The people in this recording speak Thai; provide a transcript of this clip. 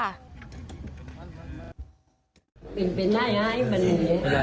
เป็นแบบนี้นะครับ